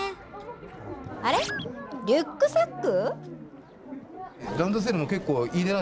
あれ、リュックサック。